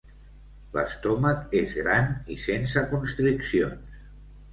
L'estómac és gran i sense constriccions.